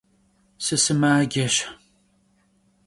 Sısımaceş.